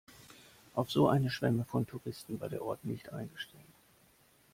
Auf so eine Schwemme von Touristen war der Ort nicht eingestellt.